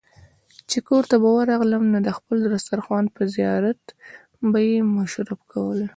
چې کورته به ورغلې نو د خپل دسترخوان په زيارت به يې مشرف کولې.